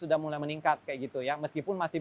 sudah mulai meningkat kayak gitu ya meskipun masih